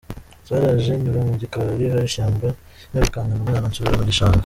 Zaraje nyura mu gikari hari ishyamba nirukankana umwana nsubira mu gishanga ”.